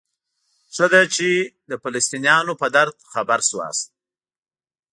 ښه ده چې د فلسطینیانو په درد خبر شوئ.